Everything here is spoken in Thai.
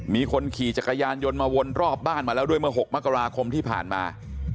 มีคนขี่จักรยานยนต์มาวนรอบบ้านมาแล้วด้วยเมื่อ๖มกราคมที่ผ่านมา